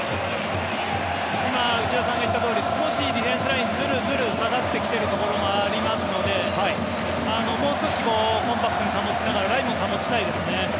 今、内田さんが言ったようにディフェンスラインずるずると下がってきているところありますのでもう少しコンパクトに保ちながらラインも保ちたいですね。